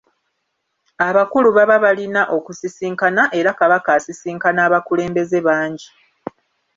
Abakulu baba balina okusisinkana era Kabaka asisinkana abakulembeze bangi.